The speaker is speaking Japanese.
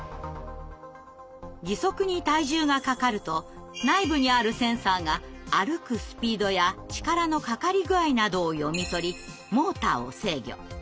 義足に体重がかかると内部にあるセンサーが歩くスピードや力のかかり具合などを読み取りモーターを制御。